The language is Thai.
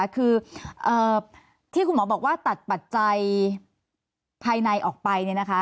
คือที่คุณหมอบอกว่าตัดปัจจัยภายในออกไป